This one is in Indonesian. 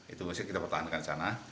itu mesti kita pertahankan di sana